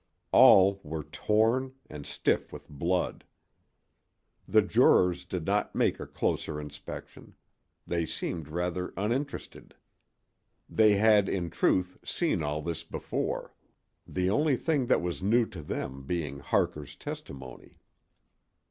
All were torn, and stiff with blood. The jurors did not make a closer inspection. They seemed rather uninterested. They had, in truth, seen all this before; the only thing that was new to them being Harker's testimony.